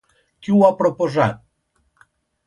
Qui ho ha proposat?